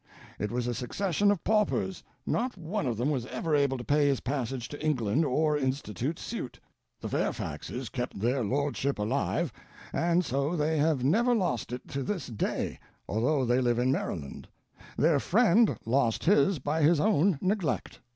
It was a succession of paupers; not one of them was ever able to pay his passage to England or institute suit. The Fairfaxes kept their lordship alive, and so they have never lost it to this day, although they live in Maryland; their friend lost his by his own neglect.